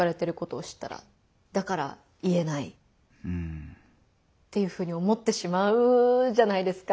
だから言えないっていうふうに思ってしまうじゃないですか。